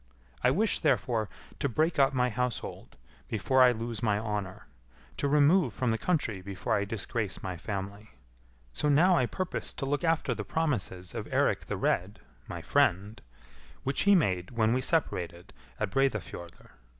I wish, therefore, to break up my household before I lose my honour; to remove from the country before I disgrace my family. So now I purpose to look after the promises of Eirik the Red, my friend, which he made when we separated at Breidafjordr.